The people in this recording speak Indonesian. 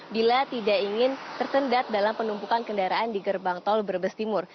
bila tidak ingin tersendat dalam penumpukan kendaraan di gerbang tol brebes timur